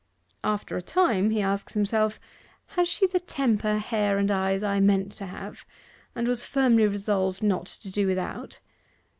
After a time he asks himself, "Has she the temper, hair, and eyes I meant to have, and was firmly resolved not to do without?"